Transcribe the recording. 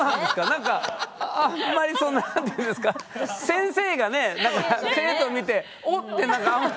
何かあんまりその何ていうんですか先生がね生徒見て「おっ」て何かあんまり。